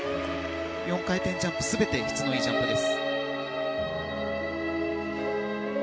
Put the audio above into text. ４回転ジャンプは全て質のいいジャンプです。